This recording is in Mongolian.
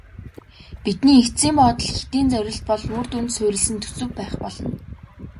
Бидний эцсийн болоод хэтийн зорилт бол үр дүнд суурилсан төсөв байх болно.